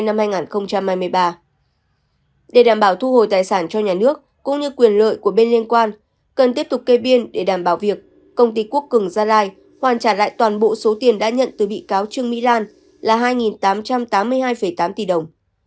để đảm bảo thu hồi tài sản cho nhà nước cũng như quyền lợi của bên liên quan cần tiếp tục kê biên để đảm bảo việc công ty quốc cường gia lai hoàn trả lại toàn bộ số tiền đã nhận từ bị cáo trương mỹ lan là hai tám trăm tám mươi hai tám tỷ đồng